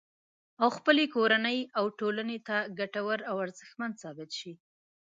او خپلې کورنۍ او ټولنې ته ګټور او ارزښتمن ثابت شي